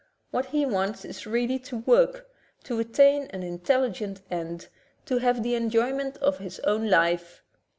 What he wants is really to work, to attain an intelligent end, to have the enjoyment of his own life.